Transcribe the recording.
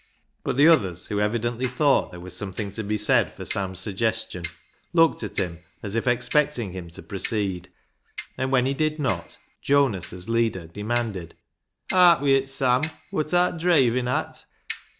But the others, who evidently thought there was something to be said for Sam's suggestion, looked at him as if expecting him to pro ceed, and when he did not, Jonas, as leader, demanded —" Aat wi' it, Sam ; wot art dreivin' at?